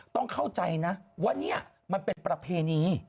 ต้องเข้าใจนะว่านี่มันเป็นประเพณี